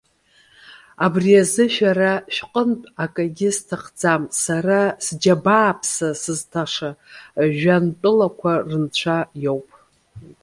Абри азы шәара шәҟынтә акагьы сҭахӡам. Сара сџьабааԥса сызҭаша жәҩантәылақәа рынцәа иоуп.